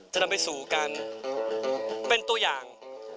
จะนำไปสู่การเป็นตัวอย่าง